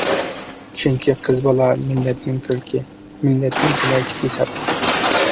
چۈنكى قىز بالا مىللەتنىڭ كۆركى، مىللەتنىڭ كېلەچىكى ھېسابلىنىدۇ.